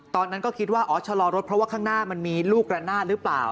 ตอนนั้นก็คิดว่าอ๋อชะลอรถเพราะว่าข้างหน้ามันมีลูกระนาดหรือเปล่า